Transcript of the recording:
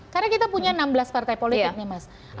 karena kita punya enam belas partai politik